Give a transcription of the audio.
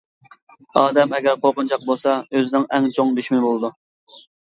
ئادەم ئەگەر قورقۇنچاق بولسا ئۆزىنىڭ ئەڭ چوڭ دۈشمىنى بولىدۇ.